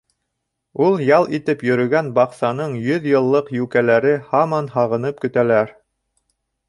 Ул ял итеп йөрөгән баҡсаның йөҙ йыллыҡ юкәләре һаман һағынып көтәләр.